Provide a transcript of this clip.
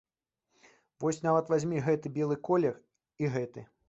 Вось нават вазьмі гэты белы колер і гэты.